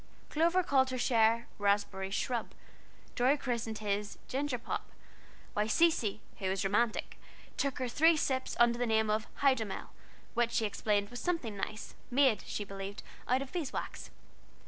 Clover called her share "Raspberry Shrub," Dorry christened his "Ginger Pop," while Cecy, who was romantic, took her three sips under the name of "Hydomel," which she explained was something nice, made, she believed, of beeswax.